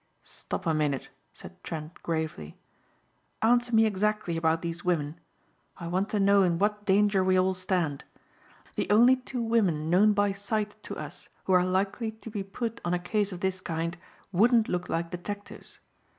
"Stop a minute," said Trent gravely. "Answer me exactly about these women. I want to know in what danger we all stand. The only two women known by sight to us who are likely to be put on a case of this kind wouldn't look like detectives.